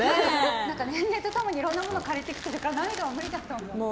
年齢と共にいろんなものが枯れてきてるから涙は無理だと思う。